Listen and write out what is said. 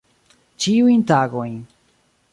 Ĉiujn tagojn.